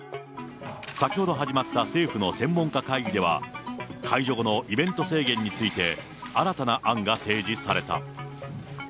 先ほど始まった政府の専門家会議では、解除後のイベント制限について、新たな案が提示された。